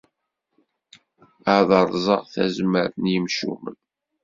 Ad rẓeɣ tazmert n yemcumen.